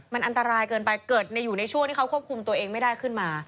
มันอันตรายเกินไปเกิดอยู่ในช่วงที่เขาควบคุมตัวเองไม่ได้ขึ้นมา